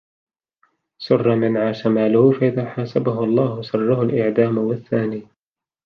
سُرَّ مَنْ عَاشَ مَالُهُ فَإِذَا حَاسَبَهُ اللَّهُ سَرَّهُ الْإِعْدَامُ وَالثَّانِي